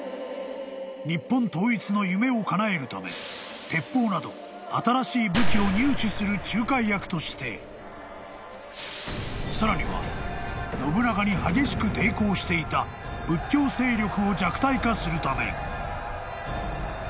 ［日本統一の夢をかなえるため鉄砲など新しい武器を入手する仲介役としてさらには信長に激しく抵抗していた仏教勢力を弱体化するため］